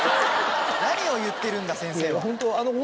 何を言ってるんだ先生は。